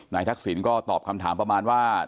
นายทักศิลป์ก็ตอบคำถามประมาณว่า